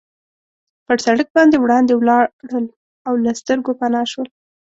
پر سړک باندې وړاندې ولاړل او له سترګو پناه شول.